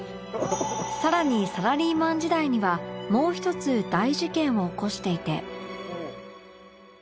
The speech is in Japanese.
さらにサラリーマン時代にはもう１つ大事件を起こしていて